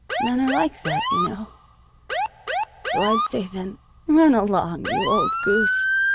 "Men are like that, you know. So I'd say then: 'Run along, you old goose!